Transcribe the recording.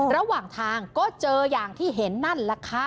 ระหว่างทางก็เจออย่างที่เห็นนั่นแหละค่ะ